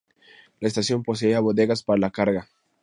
La estación poseía bodegas para la carga.